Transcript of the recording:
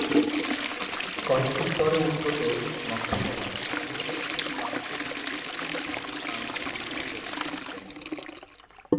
কয়েকটি স্তরে উদ্গত নকশা দ্বারা অলঙ্কৃত পার্শ্ব বুরুজগুলি ছাদের কার্নিশের উপর পর্যন্ত উঠে গেছে।